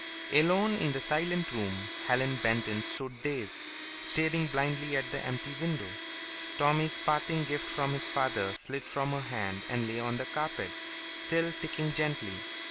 Alone in the silent room, Helen Benton stood dazed, staring blindly at the empty window. Tommy's parting gift from his father slid from her hand and lay on the carpet, still ticking gently.